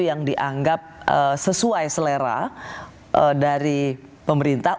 yang dianggap sesuai selera dari pemerintah